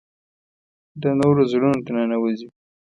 د نورو زړونو ته ننوځي .